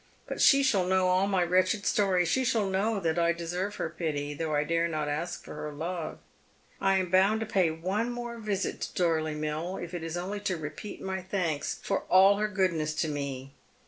But she shall know all my wretched story. She shall know that I deserve her pity, though I dare not ask for her love. I am bound to pay one more visit to Dorley Mill, if it js only to repeat my thanks for all her goodness to me.